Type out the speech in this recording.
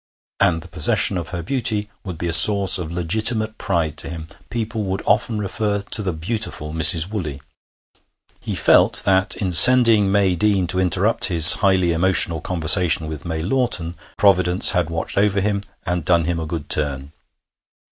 And the possession of her beauty would be a source of legitimate pride to him. People would often refer to the beautiful Mrs. Woolley. He felt that in sending May Deane to interrupt his highly emotional conversation with May Lawton Providence had watched over him and done him a good turn.